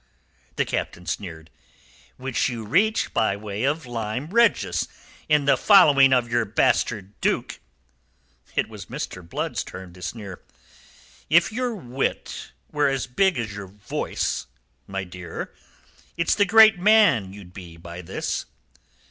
The Captain sneered. "Which you reached by way of Lyme Regis in the following of your bastard Duke." It was Mr. Blood's turn to sneer. "If your wit were as big as your voice, my dear, it's the great man you'd be by this."